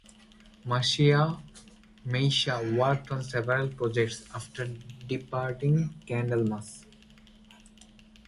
Messiah worked on several projects after departing Candlemass.